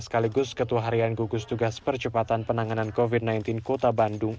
sekaligus ketua harian gugus tugas percepatan penanganan covid sembilan belas kota bandung